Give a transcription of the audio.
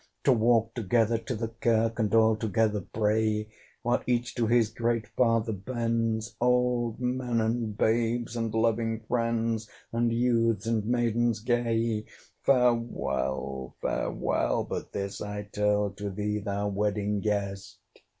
To walk together to the kirk, And all together pray, While each to his great Father bends, Old men, and babes, and loving friends, And youths and maidens gay! Farewell, farewell! but this I tell To thee, thou Wedding Guest!